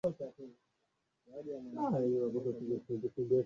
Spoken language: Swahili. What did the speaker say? Mnamo mwaka wa elfu moja mia tisa sabini na mbili